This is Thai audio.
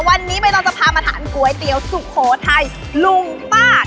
วันนี้ใบตองจะพามาทานก๋วยเตี๋ยวสุโขทัยลุงป้า